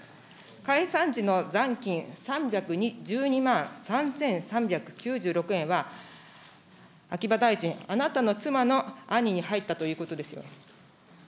解散時の残金３１２万３３９６円は、秋葉大臣、あなたの妻の兄に入ったということですよね。